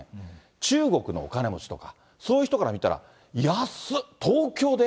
中国のお金持ちとか、そういう人から見たら、安っ、東京で？